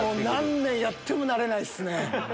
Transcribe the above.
何年やっても慣れないっすね。